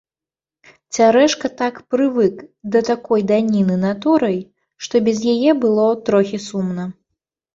Цярэшка так прывык да такой даніны натурай, што без яе было трохі сумна.